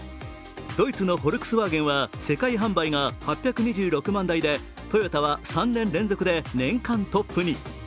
ドイツのフォルクスワーゲンはセカイ販売が８２６万台でトヨタは３年連続で年間トップに。